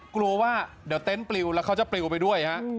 กลัวว่าเดี๋ยวเต็นต์ปลิวแล้วเขาจะปลิวไปด้วยฮะ